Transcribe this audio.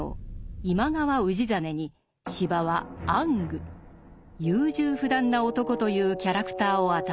今川氏真に司馬は「暗愚」優柔不断な男というキャラクターを与えている。